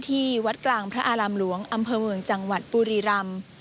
ที่วัดกลางพระอารามหลวงอำเภอเมืองจังหวัดบุรีรำ